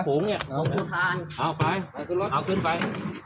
เอาไปเอาขึ้นไป